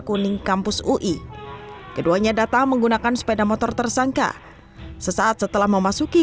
kuning kampus ui keduanya datang menggunakan sepeda motor tersangka sesaat setelah memasuki